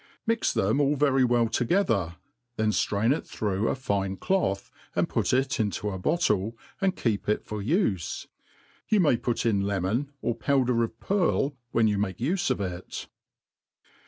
Mi} them all very well together; then ftrain it through 9 fine cloth, and put it into a bottle, and keep it for ufe, Yoa may put in ^emori, or powdrr of pearl, when you make ufe of it.